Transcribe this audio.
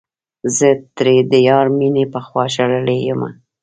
زه ترې د يار مينې پخوا شړلے يمه